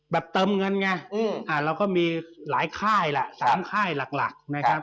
เติมเงินไงเราก็มีหลายค่ายแหละ๓ค่ายหลักนะครับ